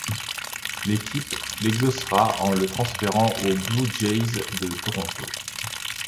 L'équipe l'exaucera en le transférant aux Blue Jays de Toronto.